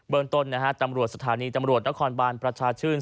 เบื้องต้นตำรวจสถานีตำรวจและคอนบาลประชาชื่น